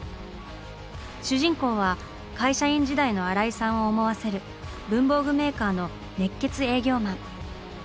主人公は会社員時代の新井さんを思わせる文房具メーカーの熱血営業マン。